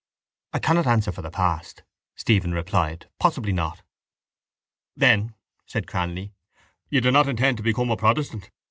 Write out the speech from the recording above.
—I cannot answer for the past, Stephen replied. Possibly not. —Then, said Cranly, you do not intend to become a protestant?